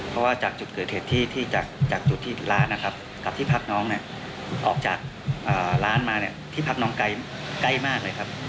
เพราะว่าจากจุดเกิดเหตุที่จากจุดที่ร้านนะครับกับที่พักน้องเนี่ยออกจากร้านมาเนี่ยที่พักน้องใกล้มากเลยครับ